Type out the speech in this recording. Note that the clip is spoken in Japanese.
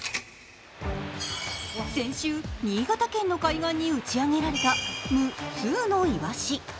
先週、新潟県の海岸に打ち上げられた無数のいわし。